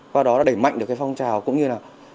qua đó đã đẩy mạnh được cái phong trào cũng như là